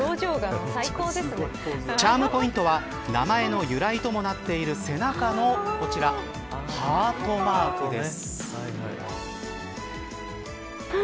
チャームポイントは名前の由来ともなっている背中のこちらハートマークです。